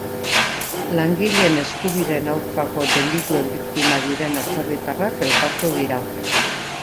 Langileen eskubideen aurkako delituen biktima diren atzerritarrak elkartu dira.